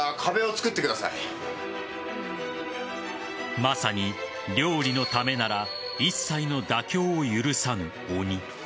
まさに、料理のためなら一切の妥協を許さぬ鬼。